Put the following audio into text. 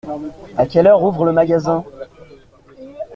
À quelle heure ouvre le magasin ?